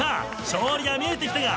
勝利が見えてきたか。